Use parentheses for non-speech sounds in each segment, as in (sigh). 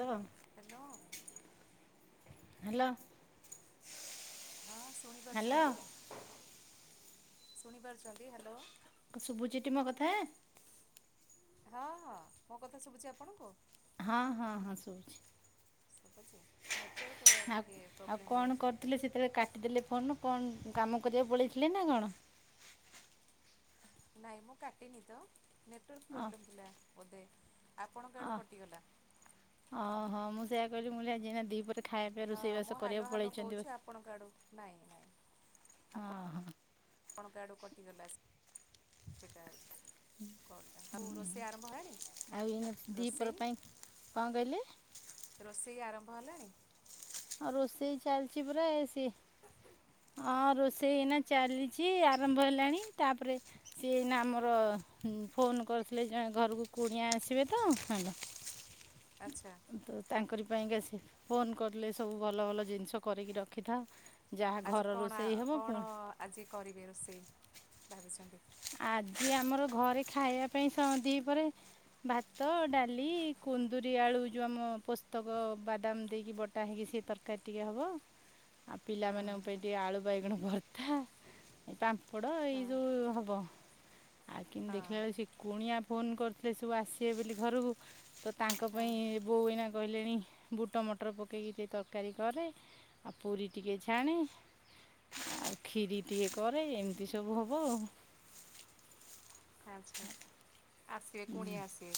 ତ ଅ hello hello. ହଁ ଶୁଣି ହ୍ୟାଲୋ ପାରୁଛନ୍ତି। ଶୁଣିପାରୁଛନ୍ତି ହ୍ୟାଲୋ ଶୁଭୁଚିଟି ମୋ କଥା ହଁ ହଁ ମୋ କଥା ଶୁଭୁଛି ଆପଣଙ୍କୁ ହଁ ହଁ ହଁ ଶୁଛି ସୁବୁଛି ନେଟୱାର୍ ପୋ ଟିକିଏ ପ୍ରୋବ୍ଲେମ୍ ରହୁଛି ବୋଧେ। ଦେଲେ ଫୋନ୍ କ ଣ କାମ କରିବାକୁ ପଳେଇଥିଲେ ନା କ ଣ ନାଇଁ ମୁଁ କାଟିନିତ ନେଟୱାର୍କ ଅ ର୍ପ୍ରୋବ୍ଲେମ୍ ଥିଲା ବୋଧେ ଆପଣଙ୍କ ଅ ଆଡୁ କଟିଗଲା ଓହୋ ମୁଁ ସେୟଆ କହିଲି ମୁଁକହିଲି ଆଜି ଦି ପହରେ ଖାଇବା ପିଇବା ହଁ ମୁଁ ରୋଷେଇବାସ ହାଲୋ କରିବାକୁ ହାଲୋ ପଳେଇଛନ୍ତି କହୁଛି ବେ ଆପଣଙ୍କ ଆଡ଼ୁ ନହିଁ ନହିଁ। ହଁ ହଁ। ଆପଣଙ୍କ ଆଡୁ କଟିଗଲା ସେଇଟା ଆଉ। କଲ୍ ଟା ଆଉ ରୋଷେଇ ଆରମ୍ଭ ହେଲାଣି ଆଉ ଏଇନା ଦିପହର ରୋଷେଇ। ପାଇଁ କଣ କହିଲେ ରୋଷେଇ ଆରମ୍ଭ ହେଲାଣି। ହଁ ରୋଷେଇ ଚାଲିଛି ପରା ଏ ସିଏ। ହଁ ରୋଷେଇ ଏଇନା ଚାଲିଛି ଆରମ୍ଭ ହେଲାଣି ତାପରେ। ସିଏ ଏଇନା ଆମର ଫୋନ୍ କରିଥିଲେ ଜଣେ ଘରକୁ କୁଣିଆ ଆସିବେ ତ ହେଲା। ଆଚ୍ଛା। ତ ତାଙ୍କରି ପାଇଁକା ସେ ଫୋନ୍ କଲେ ସବୁ ଭଲ ଭଲ ଜିନିଷ କରିକି ରଖିଥା। ଯାହା ଆଜି ଘର କଣ ରେଷେଇ ହବ କଣ ପୁଣି। ଆଜି କରିବେ ରୋଷେଇ ଭାବିଛନ୍ତି। ଆଜି ଆମର ଘରେ ଖାଇବା ପାଇଁ ସ ଦି ପହରେ। ଭାତ ଡାଲି କୁନ୍ଦରି ଆଳୁ ଯୋଉ ଆମ ପୋସ୍ତକ ବାଦାମ ଦେଇକି। ବଟା ହେଇକି ସିଏ ତରକାରୀ ଟିକେ ହବ। ଆଉ ହଁ ପିଲାମାନଙ୍କ ପାଇଁ ଟିକେ ଆଳୁ ବାଇଗଣ ଭର୍ତା ‌ଏ ପା ମ୍ପଡ଼ ଏଇ ହଁ ସବୁ ହବ। ଆଉ କିନ୍ତୁ ହଁ ଦେଖିଲା ବେଳକୁ ସେ କୁଣିଆ ଫୋନ୍ କରିୁଥିଲେ ସବୁ ଆସିବେ ବେଲି ଘରକୁ ତ। ତାଙ୍କ ହଁ ପାଇଁ ବୋଉ ଏଇନା। କହିଲେଣି ବୁଟ ମଟର ପକେଇକି ଟିକେ ତରକାରୀ କରେ ଆଉ ପୁରୀ ଟିକେ ଛାଣେ। ଆଉ ଖିରି ଟିକେ କରେ ଏମିତି ସବୁ ହବ ଆଉ। ଆଚ୍ଛା ଆଚ୍ଛା ଆସିବେ କୁଣିଆ ଆସିବେ।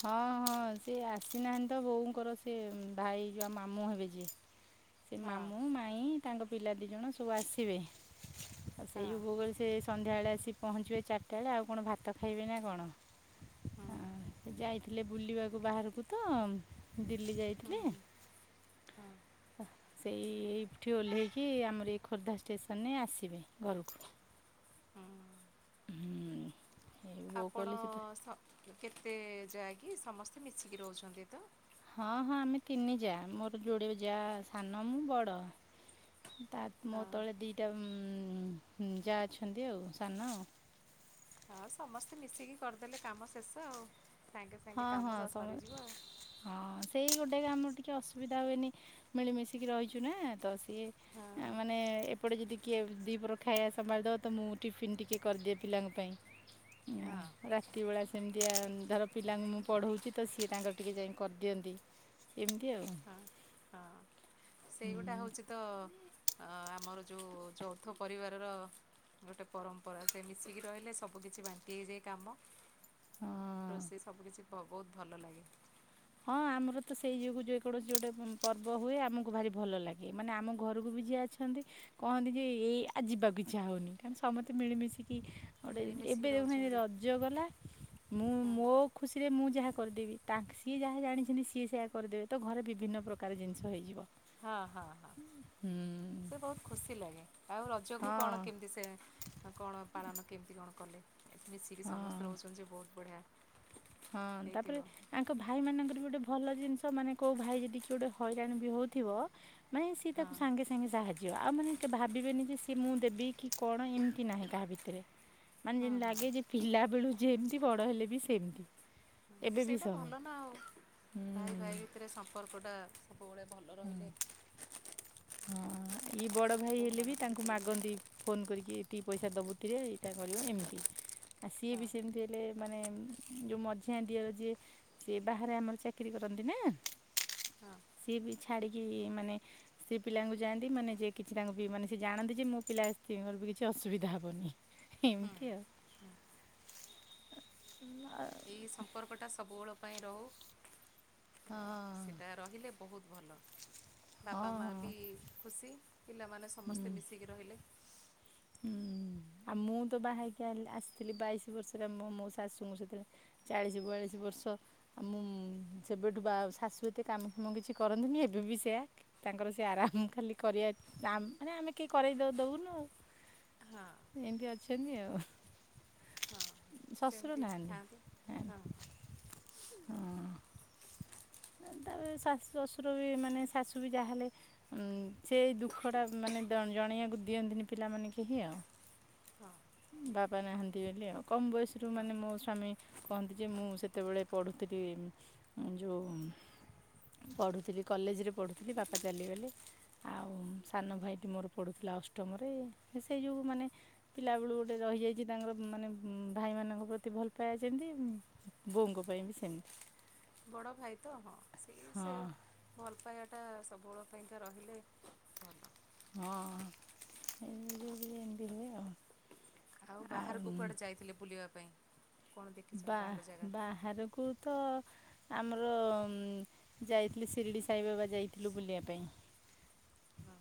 ହଁ ହଁ ସିଏ ଆସିନାହାନ୍ତି ତ ବୋଉଙ୍କର ସିଏ ଭାଇ ଯୋଉ ଆମ ମାମୁଁ ହେବେ ଯିଏ। ସେ ହଁ ମାମୁଁ ମାଇଁ ତାଙ୍କ ପିଲା ଦି ଜଣ ସବୁ ଆସିବେ ଆଉ ସେଇ ହଁ ଯୋଗୁଁ ବୋଉ କହିଲେ ସେ। ସନ୍ଧ୍ୟାବେଳେ ଆସି ପହଞ୍ଚିବେ ଏ ଚାରିଟା ବେଳେ ଆଉ କ ଣ ଭାତ ଖାଇବେ ନା କ ଣ। ହଁ। ସେ ଯାଇ ଥିଲେ ବୁଲିବାକୁ ବାହାରକୁ ତ। ଦିଲ୍ଲୀ ହୁଁ ଯାଇଥିଲେ ହୁଁ ହଁ ତ ସେଇ ଏଇ। ଏଇଠି ଓହ୍ଲେଇକି ଆମର ଏଇ ଖୋର୍ଦ୍ଧା ଷ୍ଟେସନେ ଆସିବେ ଘରକୁ। ହୁଁ। ହୁଁ ଏଇ ବୋଉ କହିଲେ ଆପଣ ସେ ତ ସ କେତେ ଯାଆ କି ସମସ୍ତେ ମିଶିକି ରହୁଛନ୍ତି ତ। ହଁ ହଁ ଆମେ ତିନି ଯା ମୋର ଯୋଡି ଯା ସାନ ମୁଁ ବଡ଼। ତା ମୋ ହଁ ତଳେ ଦିଇଟା ଉଁ ଉଁ ଯା ଅଛନ୍ତି ଆଉ ସାନ। ହଁ ସମସ୍ତେ ମିଶିକି କରିଦେଲେ କାମ ଶେଷ ଆଉ ସାଙ୍ଗେ ସାଙ୍ଗେ ହଁ ହଁ କାମ ସମ ସରିଯିବ ଆଉ। ହଁ ସେଇ ଗୋଟେ କାମ ଟିକେ ଅସୁବିଧା ହୁଏନି ମିଳିମିଶିକି ରହିଛୁ ନା ତ। ଇଏ ଆ ମାନେ ଏ ଏପଟେ ଯଦି କିଏ ଦି ପହର ଖାଇବା ସମାଳି ଦେବ ତ ମୁଁ ଟିଫିନ୍ ଟିକେ କରିଦିଏ ପିଲାଙ୍କ ପାଇଁ। ହଁ ହଁ। ଉଁ ରାତି ବେଳା ସେମିତିଆ ଧର। ପିଲାଙ୍କୁ ମୁଁ ପଢ଼ଉଛି ତ ସିଏ ତାଙ୍କର ଟିକେ ଯାଇଁ କରିଦିଅନ୍ତି ଏମିତି ଆଉ। ହଁ ହଁ ହଁ। ସେଇଗୁଟା ହଉଛି। ତ ଆମର ଯୋଉ ଯୌଥ ପରିବାରର। ଗୋଟେ ପରମ୍ପରା ସେ ମିଶିକି ରହିଲେ ସବୁକିଛି ବାଣ୍ଟି ହେଇଯାଏ କାମ। ରୋଷେଇ ସବୁ କିଛି ଭ ବହୁତ ଭଲ ଲାଗେ। ହଁ ଆମର ତ ସେଇ ଯୋଗୁ ଯେକୌଣସି ଗୋଟେ ପର୍ବ ହୁଏ ଆମକୁ ଭାରି ଭଲ ଲାଗେ ମାନେ ଆମ ଘରକୁ ବି ଯିଏ ଆସେ ଅଛନ୍ତି କହନ୍ତି ଯେ ଏଇ ଆ ଯିବାକୁ ଇଚ୍ଛା ହେଉନି କାହିଁକି ସମସ୍ତେ ମିଳିମିଶିକି ଗୋଟେ ଏବେ ମିଳିମିଶିକି ଦେଖୁନାଁହାନ୍ତି ରହୁଛନ୍ତି ରଜ ଗଲା ମୁଁ ହଁ ମୋ ଖୁସିରେ ମୁଁ ଯାହା କରିଦେବି ତାଙ୍କ ସିଏ ଯାହା ଜାଣିଛନ୍ତି ସିଏ ସେୟା କରିଦେବେ ତ ଘରେ ବିଭିନ୍ନ ପ୍ରକାର ଜିନିଷ ହେଇଯିବ। ହଁ ହଁ ହଁ ହୁଁ ସେ ବହୁତ ଖୁସି ଲାଗେ ଆଉ ର ଜକୁ ହଁ କଣ କେମିତି ସେ କଣ ପାଳନ କେମିତି କଣ କଲେ? ଏଠି ମିଶିକି ହଁ। ସମସ୍ତେ ରହୁଛନ୍ତି ଯେ ବହୁତ ବଢ଼ିଆ ହଁ ହେଇଥିବ ତାପରେ ତାଙ୍କ ଭାଇମାନଙ୍କର ବି ଗୋଟେ ଭଲ ଜିନିଷ ମାନେ କେଉଁ ଭାଇ ଯଦି କିି ଗୋଟେ ହଇରାଣ ବି ହେଉଥିବ ମାନେ ସୀଏ ହଁ ତାକୁ ସାଙ୍ଗେ ସା ସାଙ୍ଗେ ସାହାଯ୍ୟ ଆଉ ମାନେ ଭାବିବେନି ଯେ ସିଏ ମୁଁ ଦେବି କି କଣ ଏମିତି ନାହିଁ କାହା ଭିତରେ। ମାନେ ହୁଁ ଯେମିତି ହୁଁ ଲାଗେ ଯେ ପିଲା ବେଳୁ ଯେମିତି ବଡ ହେଲେ ବି ସେମିତି। ଏବେ ବି ସେଇଟା ସହ ଭଲ ନା ଆଉ ହୁଁ। ଭାଇ ଭାଇ ଭି ତରେ ସମ୍ପର୍କଟା ସବୁବେଳେ ଭଲ ରହିଲେ ହଁ ଇଏ ବଡ଼ ଭାଇ ହେଲେ ବି ବୋହୂମାନଙ୍କ ତାଙ୍କୁ ଭିତରେ ମାଗନ୍ତି ଫୋନ୍ କରିକି ଏତିକି ପଇସା ଦବୁକିରେ ଏଇଟା କରିବ ଏମିତି ଆ ସିଏ ବି ସେମିତ ହେଲେ ମାନେ ଯୋଉ ମଝିଆ ଦିଅର ଯିଏ ସିଏ ବାହାରେ ଆମର ଚାକିରିୀ କରନ୍ତି ନା। ହଁ। ସିଏ ବି ଛାଡିକି ମାନେ ସେ ପିଲାଙ୍କୁ ଯାଆନ୍ତି ମାନେ ଜେ କିଛି ତାଙ୍କୁ ବି ମାନେ ସେ ଜାଣନ୍ତି ଯେ ମୋ ପିଲାଙ୍କର ବି କିଛି ଅସୁବିଧା ହବନି। ଏମତି ଆଉ। ହୁଁ। ଏଇ ସମ୍ପର୍କଟା ସବୁବଳ ପାଇଁ ରହୁ ଅ ହଁ। ସେଟା ରହିଲେ ବହୁତ ଭଲ ହଁ ବାପା ହଁ ମା ବି ଖୁସି। ପିଲାମାନେ ହୁଁ ସମସ୍ତେ ମିଶିକି ରହିଲେ। ହୁଁ ଆ ମୁଁ ତ ବାହାହେଇକି ଆଇଲି ଆସିଥିଲି ବାଇଶି ବର୍ଷରେ ମୁଁ ମୋ ଶାଶୁଙ୍କୁ ସେହିତ ଚାଳିଶ ବୟାଳିଶ ବର୍ଷ। ଆଉ ମୁଁ ସେବେଠୁ ବା ଶାଶୁ ଏତେ କାମ ଫାମ କିଛି କରନ୍ତିନି ଏବେ ବି ସେୟା। ତାଙ୍କର ସେ ଆରାମ ଖାଲି କରିବା ମାନେ ଆମେ କେହି କରେଇ ତ ଦଉନୁ ଆଉ। ହଁ। ଏମିତି ଅଛନ୍ତି ଆଉ ହଁ ଶଶୁର ସେମିତି ନାହାନ୍ତି ଥାଆନ୍ତୁ ହଁ ନା। ହଁ ହଁ। ତାପରେ ଶାଶ ଶ୍ୱଶୁର ବି ମାନେ ଶାଶୁ ବି ଯାହେଲେ ସେଇ ଦୁଃଖଟା ମାନେ ଜଣେଇବାକୁ ଦିଅନ୍ତିନି ପିଲାମାନେ କେହି ଆଉ। ହଁ ବାପା ନାହାନ୍ତି ବୋଲି ଆଉ କମ ବୟସରୁ ହଁ ମାନେ ମୋ ସ୍ଵାମୀ କହନ୍ତି ଯେ ମୁଁ ସେତେବେଳେ ପଢ଼ୁଥିଲି ଯେଉ ପଢ଼ୁଥିଲି କଲେଜରେ ପଢ଼ୁଥିଲି ବାପା ଚାଲିଗଲେ। ଆଉ ସାନ ଭାଇଟି ମୋର ପଢୁଥିଲା ଅଷ୍ଟମରେ ସେଇ ଯଉ ମାନେ ପିଲାବେଳୁ ଗୋଟେ ରହିଯାଇଚି ତାଙ୍କର ମାନେ ଭାଇମାନଙ୍କ ପ୍ରତି ଭଲପାଇବା ଯେମିତି ବୋଉଙ୍କ ପାଇଁ ବି ସେମିତି। ବଡ଼ ଭାଇତ ହଁ ସେଇ ହଁ ସେ ଭଲ ପାଇବାଟା ସବୁବେଳ ପାଇଁକା ରହିଲେ ଭଲ। ହଁ ହେଇମିତିଆ ଟିକେ ଏମତି ହୁଏ ଆଉ। ଆଉ ବାହାରକୁ କୁଆଡ଼େ ଯାଇଥିଲେ ବୁଲିବା ପାଇଁ? କଣ ଦେଖିଛନ୍ତି ବା ବାହାର ଜାଗା? ବାହାରକୁ ତ ଆମର ଯାଇଥିଲି ଶିରିଡ଼ି ସାଇ ବାବା ଯାଇଥିଲୁ ବୁଲିବା ପାଇଁ।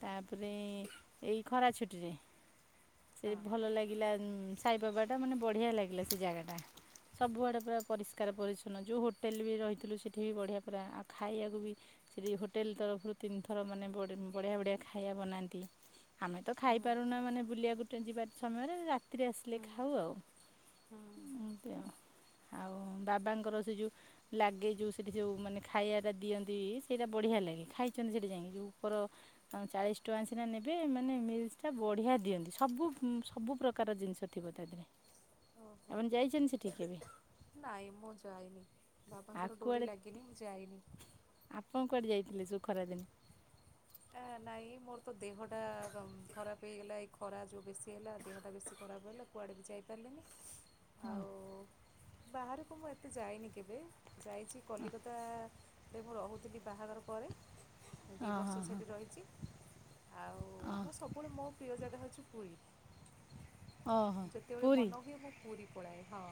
ତାପରେ ଏଇ ଖରା ଛୁଟିରେ। ସେ ହଁ ଭଲ ଲାଗିଲା ସାଇ ବାବାଟା ମାନେ ବଢ଼ିଆ ଲାଗିଲା ସେ ଜାଗାଟା। ସବୁଆଡ଼େ ପୁରା ପରିଷ୍କାର ପରିଚ୍ଛନ୍ନ ଯୋଉ ହୋଟେଲୂ ବି ରହିଥିଲୁ ସେଠି ବି ବଢ଼ିଆ ପୁରା ଆଉ ଖାଇବାକୁ ବି ସେଠି ହୋଟେଲ୍ ତରଫରୁ ତିନିଥର ମାନେ ବଡ଼ ବଢ଼ିଆ ବଢ଼ିଆ ଖାଇବା ବନାନ୍ତି। ଆମେ ତ ଖାଇପାରୁନା ମାନେ ବୁଲିବାକୁ ଟେ ଯିବା ସମୟରେ ରାତିରେ ଆସିଲେ ହୁଁ ଖାଉ ଆଉ। ହୁଁ ଏମିତି ଆଉ ଆଉ ବାବାଙ୍କର ସେ ଯୋଉ ଲାଗେ ଯୋଉ ସେଠି ସବୁ ମାନେ ଖାଇବାଟା ଦିଅନ୍ତି ସେଇଟା ବଢ଼ିଆ ଲାଗେ ଖାଇଚନ୍ତି ସେଠି ଯାଇଁ ଯୋଉ ଉପର ଆଉଁ ଚାଳିଶ ଟଙ୍କା ସିନା ନେବେ ମାନେ ମିଲ୍ସ ଟା ବଢ଼ିଆ ଦିଅନ୍ତି। ସବୁ ଉଁ ସବୁ ପ୍ରକାର ଜିନିଷ ଥିବ ତା ଦେହରେ। ଓହୋ। ଆପଣ ଯାଇଛନ୍ତି ସେଠିକି କେବେ? ନାଇଁ ମୁଁ ଯାଇନି ଆଉ ବାବାଙ୍କର ଡୋରି କୁଆଡ଼େ ଲାଗିନି ମୁଁ ଯାଇନି। ଆପଣ କୁଆଡ଼େ ଯାଇଥିଲେ ସବୁ ଖରା ଦିନେ? ଆ ନାଇଁ ମୋର ତ ଦେହଟା ର ଖରାପ ହେଇଗଲା ଏଇ ଖରା ଯୋଉ ବେଶୀ ହେଲା ଦେହଟା ବେଶୀ ଖରାପ ହେଲା। କୁଆଡ଼େ ବି ଯାଇପାରଲିନି ହଁ ଆଉ ବାହାରୁକୁ ମୁଁ ଏତେ ଯାଇନି କେବେ। ଯାଇଚି କଲିକତାରେ ମୁଁ ରହୁଥିଲି ବାହାଘର ପରେ। ହେ ଦି ହଁ ହଁ ବର୍ଷ ହଁ ସେଠି ରହିଚି ଆଉ ହଁ ମୁଁ ସୋ ପୁଣି ମୋ ପ୍ରିୟ ଜାଗା ହଉଛି ପୁରୀ ଓହୋ ଯେତେବେଳେ ପୁରୀ ମନ ହୁଏ ମୁଁ ପୁରୀ ପଳାଏ ହଁ।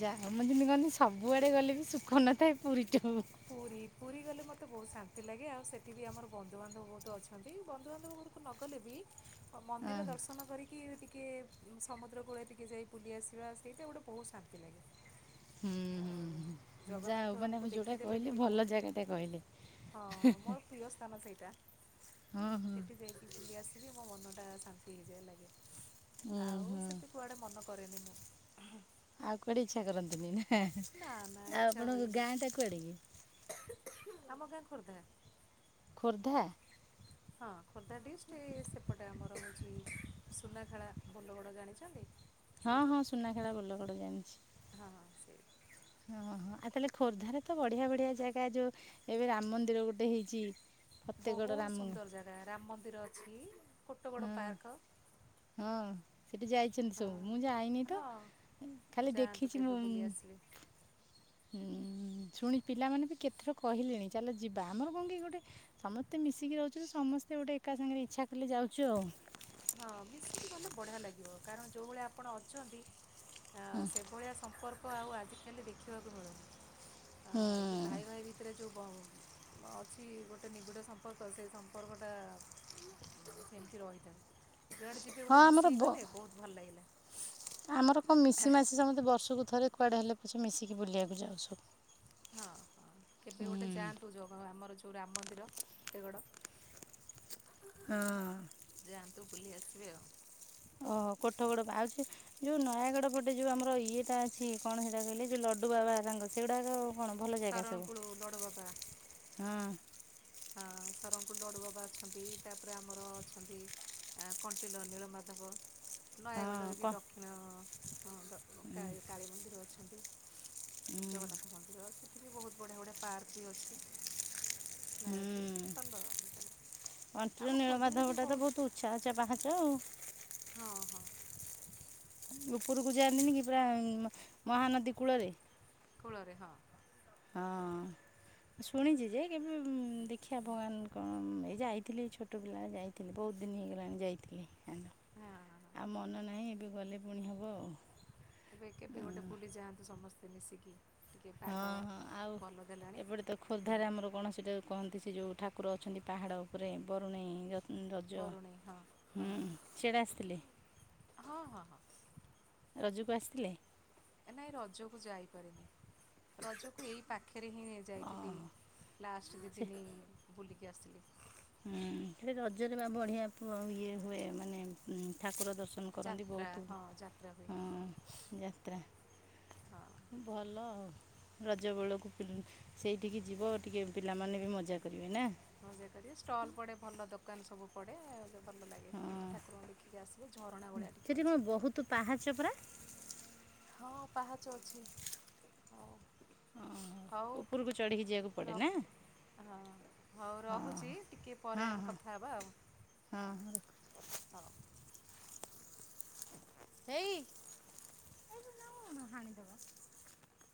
ଯାହା ମୁଁ ଯେମତି କହନ୍ତି ସବୁଆଡ଼େ ଗଲେ ବି ସୁଖ ନଥାଏ ପୁରୀଠୁ। ପୁରୀ ପୁରୀ ଗଲେ ମତେ ବହୁତ ଶାନ୍ତି ଲାଗେ ଆଉ ସେଠି ବି ଆମର ବନ୍ଧୁବାନ୍ଧବ ବହୁତ ଅଛନ୍ତି ବନ୍ଧୁବାନ୍ଧବ ଘରୁ କଁ ନଗଲେ ବି ଅ ହୁଁ ମନ୍ଦିର ଦର୍ଶନ କରିକିି ଟି କେ ସମୁଦ୍ର କୂଳରେ ଟିକେ ଯାଇ ବୁଲି ଆସିବା ସେଇଟା ଗୋଟେ ବହୁତ ଶାନ୍ତି ଲାଗେ। ହୁଁ ଆଉ ହୁଁ ଯା ହଉ ମାନେ ଜଗନ୍ନାଥଙ୍କୁ ଆମେ ଦେ ଯେଉଁଟା ଏଲେ କହିଲେ ଟିକେ ଭଲ ବହୁତ ଜାଗାଟା କହିଲେ ହଁ ମୋର ପ୍ରିୟ ସ୍ଥାନ ସେଇଟା ହଁ ହଁ ସେଠି ଯାଇକି ବୁଲିଆସ୍ ହିବି ମୋ ମନଟା ଶାନ୍ତି ହେଇଯାଏ ଲାଗେ। ଉୁଁ ଆଉ ହୁଁ ସେଥି କୁଆଡ଼େ ମନ କରେନି ମୁଁ। ଆଉ କୁଆଡ଼େ ଇଚ୍ଛା କରନ୍ତିନି, ନାଁ? ନା ନା ଆଉ ଇଚ୍ଛା ଆପଣଙ୍କ ହୁଏନି ଗାଁଟା କୁଆଡ଼େ କି? ଆମ ଗାଁ ଖୋର୍ଦ୍ଧା। ଖୋର୍ଦ୍ଧା? ହଁ ଖୋର୍ଦ୍ଧା ଡିଷ୍ଟ ସେପଟେ ଆମର ହୋଉଚି ସୁନାଖେଳା ଭୋଲଗଡ଼ ଜାଣିଚନ୍ତି? ହଁ ହଁ ସୁନାଖେଳା ବୋଲଗଡ଼ ଜାଣିଚି। ହଁ ହଁ ସେଇ। ଓହୋ ଆଉ ତାଲେ ଖୋର୍ଦ୍ଧାରେ ତ ବଢ଼ିଆ ବଢ଼ିଆ ଜାଗା ଯୋଉ ଏବେ ରାମ ମନ୍ଦିର ଗୋଟେ ହେଇଚି। ବହୁତ ସୁନ୍ଦର ଜାଗା ରାମ ମନ୍ଦିର ଅଛି ଫୋଟଗଡ଼ ପାର୍କ। ହଁ ସେଠି ଯାଇଛନ୍ତି ଆ ସବୁ ମୁଁ ଯାଇନି ତ। ହଁ ଖାଲି ଯାଆନ୍ତୁ ଦେଖିଛି ମୁଁ କେବେ ବୁଲି ଆସିବେ। ହୁଁ ଶୁଣି ପିଲାମାନେ ବି କେତେ ଥର କହିଲେଣି ଚାଲ ଯିବା ଆମର କଣ କି ଗୋଟେ ସମସ୍ତେ ମିଶିକି ରହୁଚନ୍ତି ସମସ୍ତେ ଗୋଟେ ଏକା ସାଙ୍ଗେରେ ଇଚ୍ଛା କଲେ ଯାଉଚୁ ଆଉ। ହଁ ମିଶିକି ଗଲେ ବଢ଼ିଆ ଲାଗିବ କାରଣ ଯୋଉ ଭଳିଆ ଆପଣ ଅଛନ୍ତି ଅ ସେଭଳିଆ ସମ୍ପର୍କ ଆଉ ଆଜିକାଲି ଦେଖିବାକୁ ମିଳୁନି ଅ ହୁଁ ସେ ଭାଇ ଭାଇ ଭି ତିରେ ଯୋଉ ବ ଅଛି ଗୋଟେ ନିବିଡ଼ ସମ୍ପର୍କ ସେ ସମ୍ପର୍କଟା ସେମିତି ରହିଥା ଯୋଆଡ଼େ ଯିବେ ହଁ ଗୋଟେ ଆମର ମିଶିକି ବ ଗଲେ ବହୁତ ଭଲ ଲାଗିଲା। ଆମର କଣ ମିଶି ମାସି ସମସ୍ତେ ବର୍ଷକୁ ଥରେ କୁଆଡ଼େ ହେଲେ ପଛେ ମିଶିକି ବୁଲିବାକୁ ଯାଉଛୁ। ହଁ ହଁ କେବେ ଗୋଟେ ଯାଆନ୍ତୁ (inaudible) ଆମର ଯୋଉଁ ରାମ ମନ୍ଦିର ପେତୟଗଡ଼। ହଁ। ଯାଆନ୍ତୁ ବୁଲି ଆସିବେ ଆଉ। ଓ କୋଠ ବଡ଼ ବାଉଛି ଯୋଉ ନୟାଗଡ଼ ପଟେ ଯୋଉ ଆମର ଇଏଟା ଅଛି କଣ ସେଟା କହିଲେ ଲଡୁ ବାବା ତାଙ୍କ ସେଗୁଡାକ କଣ ଭଲ ଜାଗା ଶରଣକୁଳୁ ଲଡ଼ୁ ସବୁ ହଁ? ହଁ ସରଙ୍କୁ ଲଡୁ ବାବା ଅଛନ୍ତି ତାପରେ ଆମର ଅଛନ୍ତି। ଆ କଣ୍ଟିଲୋ ନୀଳ ମାଧବ। ହଁ ନୟାଗଡ଼ରେ କ ବି ଦକ୍ଷିଣ ହଁ କାଳୀମନ୍ଦିର ଅଛନ୍ତି। ଜଗନ୍ନାଥ ମନ୍ଦିର ସେଠି ବି ବହୁତ ବଢ଼ିଆ ବଢିଆ ପାର୍କ ବି ଅଛି। (inaudible) ନୟାଗଡ ରେ ଭଲ ଜାଗା। ଆମ କଣ୍ଟିଲୋ ଖୋର୍ଦ୍ଧାରେ ବି ନୀଳମାଧବ ଟା ତ ବହୁତ ଉଚ୍ଚା ଉଚ୍ଚା ପାହଚ ଆଉ। ହଁ ହଁ। ଉପରକୁ ଯାଆନ୍ତିନି କି ପୁରା ମହାନଦୀ କୂଳରେ। କୂଳରେ ହଁ। ହଁ। ଶୁଣିଛି ଯେ କେବେ ଦେଖିବା ଭଗବାନ କଣ ଏଇ ଯାଇଥିଲି ଛୋଟ ଛୋଟ ପିଲା ଯାଇଥିଲି ବହୁତ ଦିନ ହେଇଗଲାଣି ଯାଇଥିଲି। ହଁ ହଁ। ଆଉ ମନ ନାହିଁ ଏବେ ଗଲେ ପୁଣି ହେବ ଆଉ। ଏବେ କେବେ ଗୋଟେ ବୁଲିଯାଆନ୍ତୁ ସମସ୍ତେ ମିଶିକି। ଟିକେ ପାଗ ହଁ ହଁ ଆଉ ଭଲ ଦେଲାଣି ଏପଟେ ତ ହୁଁ ଖୋର୍ଦ୍ଧାରେ ଆମର କୌଣସିଟା କହନ୍ତି ସେ ଯେଉଁ ଠାକୁର ଅଛନ୍ତି ପାହାଡ଼ ଉପରେ ବରୁଣେଇ ରଜ ବରୁଣେଇ ହଁ ହୁଁ ହଁ ସିଆଡେ ଆସିଥିଲେ? ହଁ ହଁ ହଁ ରଜକୁ ଆସିଥିଲେ? ନାଇ ଏ ରଜକୁ ଯାଇପାରିନି ରଜକୁ ଏଇ ପାଖ ପାଖରେ ହିଁ ଯାଇଥିଲି ଓହୋ ଲାଷ୍ଟ ଯେଦିନି ବୁଲିକି ଆସିଥିଲି। ହଁ ସେ ରଜରେ ବା ବଢ଼ିଆ ପୁ ଇଏ ହୁଏ ମାନେ ଠାକୁର ଦର୍ଶନ କରନ୍ତି ଯାତ୍ରା ବହୁତ ହଁ ଯାତ୍ରା ହୁଏ। ହୁଁ ଯାତ୍ରା ହଁ ଭଲ ଆଉ। ରଜ ବେଳକୁ ସେଇଠିକି ଯିବ ଟିକେ ପିଲାମାନେ ବି ମଜା କରିବେ ନା? ମଜା କରିବା ଷ୍ଟଲ୍ ପଡେ ଭଲ ଦୋକାନ ସବୁ ପଡେ ଆଉ। ଭଲ ଲାଗେ ହଁ ଠାକୁରଙ୍କୁ ଦେଖିକି ଆସିବେ ଝରଣା ଭଳିଆ ଟିକିଏ ଅଛି। ତୁ ପାହାଚ ପରା? ହଁ ପାହାଚ ଅଛି ହଉ। ହଉ ଓ ଉପରକୁ ଚଢ଼ିକି ଯିବାକୁ ପଡ଼େ ର ନା? ହଁ ହଉ ହଁ ରହୁଛି ଟିକେ ହଁ ପରେ ହଁ ଆମେ କଥା ହେବା ଆଉ। ହଁ ରଖ। ହଁ। ଏଇ ହାଣିଦବ।